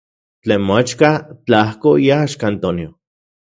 Tlen moaxka, tlajko iaxka Antonio.